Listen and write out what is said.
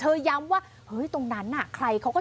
สุดทนแล้วกับเพื่อนบ้านรายนี้ที่อยู่ข้างกัน